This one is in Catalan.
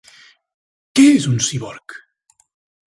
Què és un cíborg?